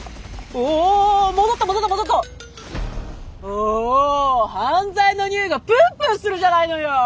お犯罪のにおいがプンプンするじゃないのよ。